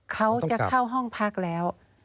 เขาจะเข้าห้องพักแล้ว